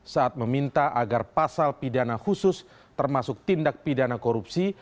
saat meminta agar pasal pidana khusus termasuk tindak pidana korupsi